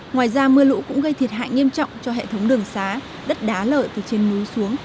ngoài ra mưa lũ cũng gây thiệt hại nghiêm trọng cho hệ thống đường xá đất đá lợi từ trên núi xuống